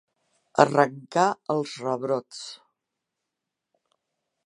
Arrencar els rebrots.